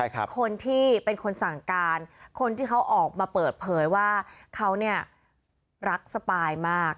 คนที่เป็นคนสั่งการคนที่เขาออกมาเปิดเผยว่าเขาเนี่ยรักสปายมาก